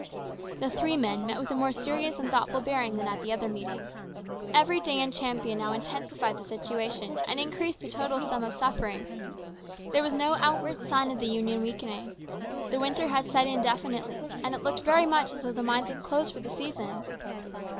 The three men met with a more serious and thoughtful bearing than at the other meeting. Every day in Champion now intensified the situation and increased the sum total of suffering. There was no outward sign of the Union weakening. The winter had set in definitely, and it looked very much as though the mines had closed for the season.